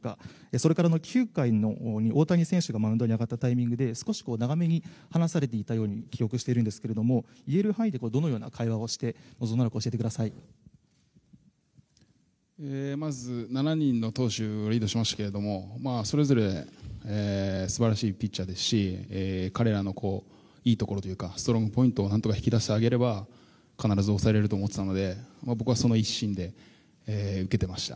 それから９回の大谷選手がマウンドに上がったタイミングで少し長めに話されていたように記憶しているんですけれども言える範囲でどのような会話をしてまず７人の投手でリードしましたが、それぞれ素晴らしいピッチャーですし彼らのいいところというかストロングポイントを何とか引き出してあげれば必ず押さえられると思ってたので僕はその一心で受けていました。